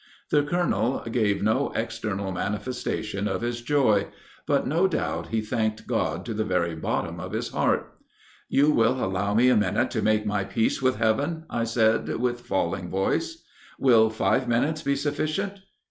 The colonel gave no external manifestation of his joy; but, no doubt, he thanked God to the very bottom of his heart." "'You will allow me a minute to make my peace with heaven?' I said, with falling voice." "'Will five minutes be sufficient?'"